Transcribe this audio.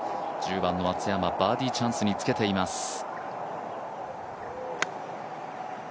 １０番の松山、バーディーチャンスにつけています。